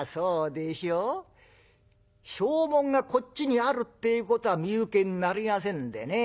証文がこっちにあるってえことは身請けになりませんでね。